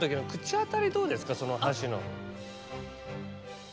その箸の。